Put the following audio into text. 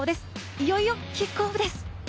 いよいよキックオフです。